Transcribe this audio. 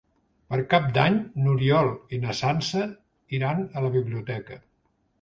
Per Cap d'Any n'Oriol i na Sança iran a la biblioteca.